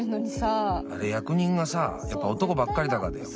あれ役人がさやっぱ男ばっかりだからだよ。